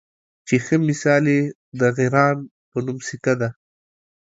چې ښۀ مثال یې د غران پۀ نوم سیکه ده